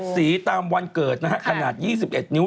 ๗สีตามวันเกิดขนาด๒๑นิ้ว